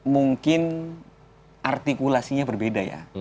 mungkin artikulasinya berbeda ya